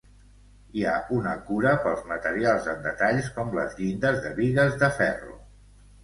Hi ha una cura pels materials en detalls com les llindes de bigues de ferro.